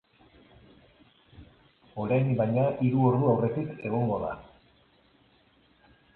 Orain, baina, hiru ordu aurretik egongo da.